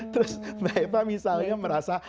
terus bapak misalnya merasa